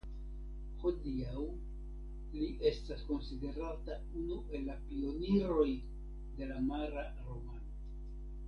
Hodiaŭ li estas konsiderata unu el la pioniroj de la mara romano.